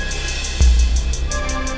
nanti kita ke sana